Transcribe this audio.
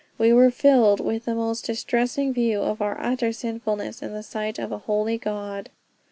We were filled with the most distressing views of our utter sinfulness in the sight of a holy God."